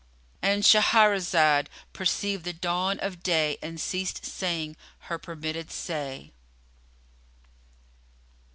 ——And Shahrazad perceived the dawn of day and ceased saying her permitted say.